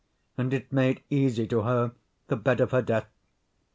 and it made easy to her the bed of her death.